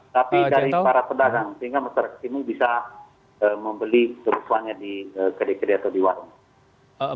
tapi dari para pedagang sehingga masyarakat ini bisa membeli kebutuhannya di kedi kedai atau di warung